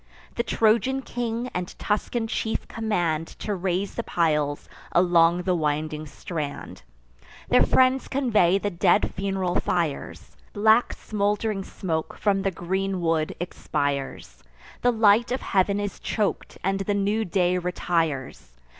The Trojan king and Tuscan chief command To raise the piles along the winding strand. Their friends convey the dead fun'ral fires; Black smould'ring smoke from the green wood expires; The light of heav'n is chok'd, and the new day retires.